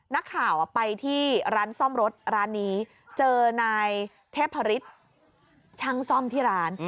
นักข่าวไปที่ร้านซ่อมรถร้านนี้เจอนายเทพฤษช่างซ่อมที่ร้าน